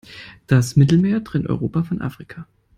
Das Mittelmeer trennt Europa von Afrika.